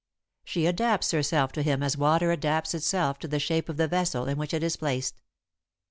She adapts herself to him as water adapts itself to the shape of the vessel in which it is placed.